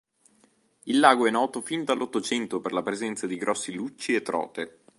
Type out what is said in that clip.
Il lago è noto fin dell'ottocento per la presenza di grossi lucci e trote.